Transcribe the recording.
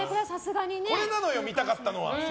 これなのよ、見たかったのは。